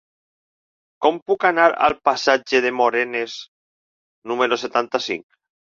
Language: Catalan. Com puc anar al passatge de Morenes número setanta-cinc?